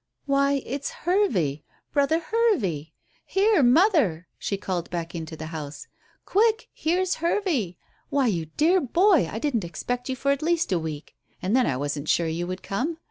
"Why, it's Hervey brother Hervey. Here, mother," she called back into the house. "Quick, here's Hervey. Why, you dear boy, I didn't expect you for at least a week and then I wasn't sure you would come.